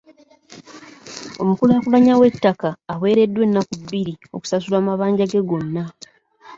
Omukulaakulanya w'ettaka aweereddwa ennaku bbiri okusasula amabanja ge gonna.